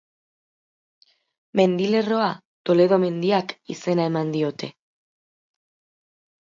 Mendilerroa Toledo Mendiak izena eman diote.